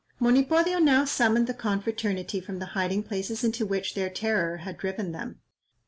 Monipodio now summoned the confraternity from the hiding places into which their terror had driven them.